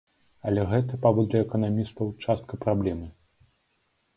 Але гэта, паводле эканамістаў, частка праблемы.